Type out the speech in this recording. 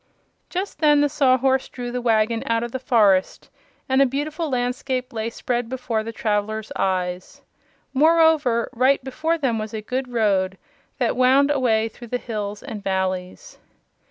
Just then the Sawhorse drew the wagon out of the forest and a beautiful landscape lay spread before the travelers' eyes. Moreover, right before them was a good road that wound away through the hills and valleys.